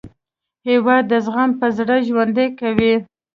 هېواد د زغم په زړه ژوند کوي.